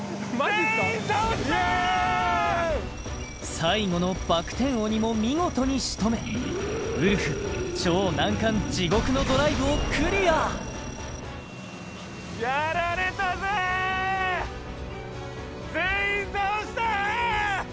最後のバック転鬼も見事に仕留めウルフ超難関地獄のドライブをクリア！やられたぜー全員倒した！